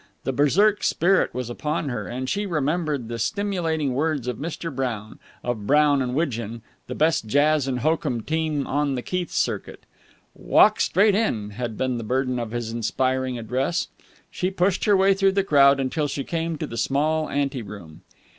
The Berserk spirit was upon her, and she remembered the stimulating words of Mr. Brown, of Brown and Widgeon, the best jazz and hokum team on the Keith Circuit. "Walk straight in!" had been the burden of his inspiring address. She pushed her way through the crowd until she came to the small ante room.